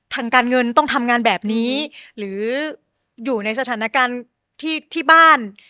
ทางการเงินต้องทำงานแบบนี้หรืออยู่ในสถานการณ์ที่บ้าน